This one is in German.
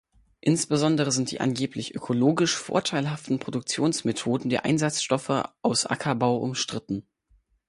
Insbesondere sind die angeblich ökologisch vorteilhaften Produktionsmethoden der Einsatzstoffe aus Ackerbau umstritten.